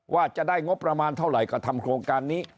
ว่าจะได้งบประมาณเท่าไหร่ก็ทำโครงการนี้